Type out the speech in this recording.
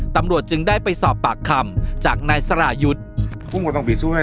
ตำรวจจึงได้ไปสอบปากคำจากนายสรายุทธ์